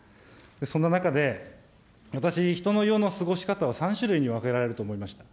そんな中で、私、人の世の過ごし方を３種類に分けられると思いました。